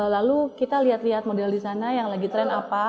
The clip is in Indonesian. lalu kita lihat lihat model di sana yang lagi tren apa